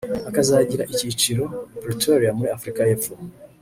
akazagira icyicaro i Pretoria muri Afurika y’Epfo